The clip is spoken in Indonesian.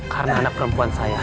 karena anak perempuan saya